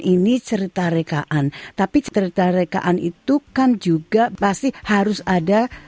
ini cerita rekaan tapi cerita rekaan itu kan juga pasti harus ada